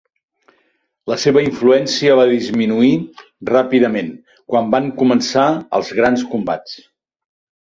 La seva influència va disminuir ràpidament quan van començar els grans combats.